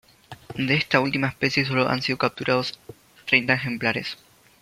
De esta última especie, solo han sido capturados treinta ejemplares.